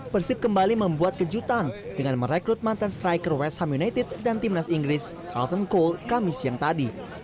persib kembali membuat kejutan dengan merekrut mantan striker west ham united dan timnas inggris carlton cole kamis yang tadi